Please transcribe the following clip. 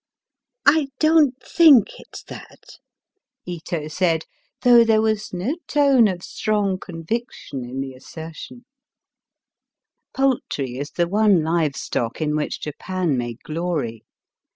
" I don't think it's that," Ito said, though there was no tone of strong conviction in the 3,ssertion, Poultry is the one live stock in which Japan may glory.